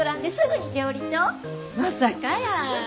まさかやー。